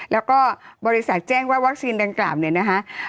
แล้วก็บริษัทแจ้งว่าวัคซีนดังกล่าวเนี่ยนะคะ